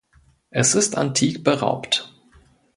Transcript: Es ist antik beraubt.